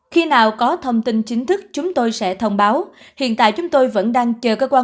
khi nào có thông tin chính thức chúng tôi sẽ thông báo hiện tại chúng tôi vẫn đang chờ cơ quan